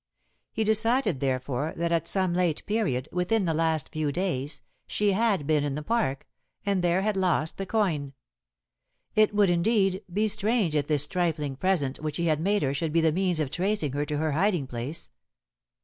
He decided, therefore, that at some late period within the last few days she had been in the park, and there had lost the coin. It would, indeed, be strange if this trifling present which he had made her should be the means of tracing her to her hiding place.